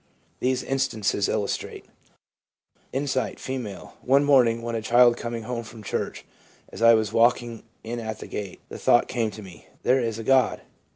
These instances illustrate :— Insight. — F. * One morning, when a child coming home from church, as I was walking in at the gate, the thought came to me, " There is a God."